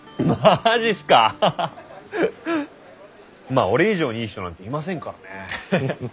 まあ俺以上にいい人なんていませんからね。